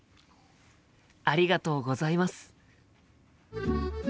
ありがとうございます。